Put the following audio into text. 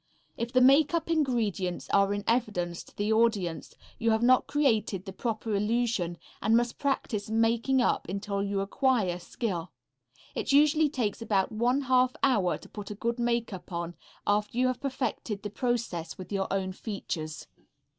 If the makeup ingredients are in evidence to the audience you have not created the proper illusion and must practice making up until you acquire skill. It usually takes about one half hour to put a good makeup on after you have perfected the process with your own features.